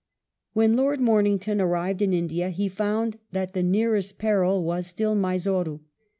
When Lord Momington arrived in India, he found that the nearest peril was still Mysore.